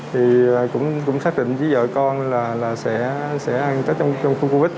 thì cũng xác định với vợ con là sẽ ăn tết trong khu covid